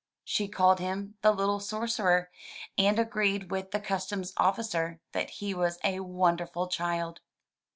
She called him the "little sorcerer, and agreed with the customs officer that he was a wonderful child.